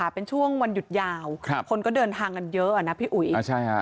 เป็นช่วงวันหยุดยาวคนก็เดินทางกันเยอะใช่ครับ